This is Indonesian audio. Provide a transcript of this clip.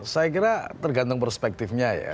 saya kira tergantung perspektifnya ya